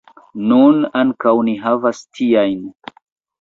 Nun ankaŭ ni havas tiajn.